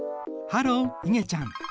ハローいげちゃん。